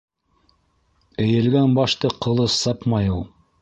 Эйелгән башты ҡылыс сапмай ул.